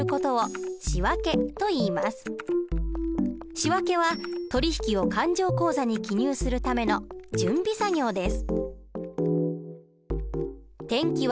仕訳は取引を勘定口座に記入するための準備作業です。